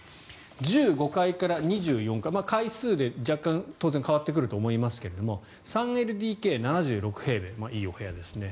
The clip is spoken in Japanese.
１５階から２４階階数で若干当然変わってくると思いますが３ＬＤＫ、７６平米いいお部屋ですね。